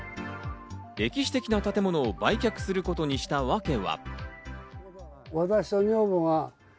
歴史的な建物を売却することにしたわけは。